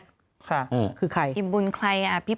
เขาก็เลยบอกว่าไม่ใช่ตำรวจขอโทษหมอหมอเริ่มสงสัยปุ๊บ